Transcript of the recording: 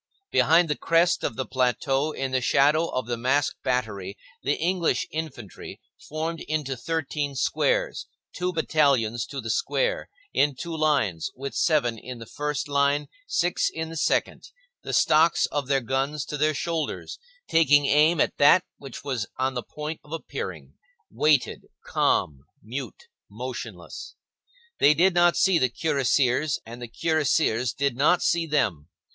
Behind the crest of the plateau, in the shadow of the masked battery, the English infantry, formed into thirteen squares, two battalions to the square, in two lines, with seven in the first line, six in the second, the stocks of their guns to their shoulders, taking aim at that which was on the point of appearing, waited, calm, mute, motionless. They did not see the cuirassiers, and the cuirassiers did not see them.